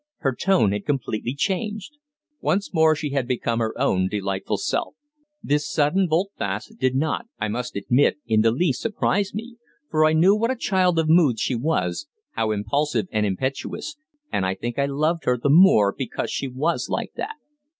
Her tone had completely changed. Once more she had become her own, delightful self. This sudden volte face did not, I must admit, in the least surprise me, for I knew what a child of moods she was, how impulsive and impetuous, and I think I loved her the more because she was like that.